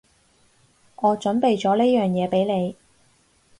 我準備咗呢樣嘢畀你